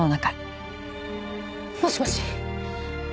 もしもし？